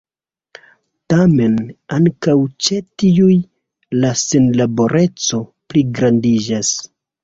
Tamen ankaŭ ĉe tiuj la senlaboreco pligrandiĝas.